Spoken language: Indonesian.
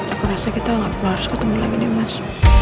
aku rasa kita gak perlu harus ketemu lagi mas